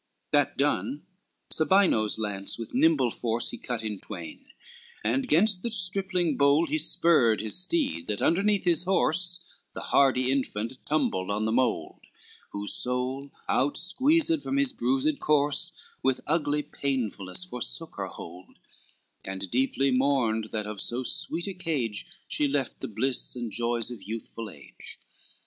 XXXIII That done, Sabino's lance with nimble force He cut in twain, and 'gainst the stripling bold He spurred his steed, that underneath his horse The hardy infant tumbled on the mould, Whose soul, out squeezed from his bruised corpse, With ugly painfulness forsook her hold, And deeply mourned that of so sweet a cage She left the bliss, and joys of youthful age.